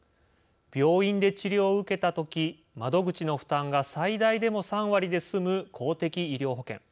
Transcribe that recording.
病院で治療を受けたとき窓口の負担が最大でも３割で済む公的医療保険。